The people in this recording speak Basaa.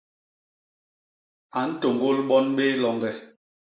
A ntôñgôl bon béé loñge.